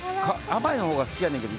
甘いほうが好きやねんけど。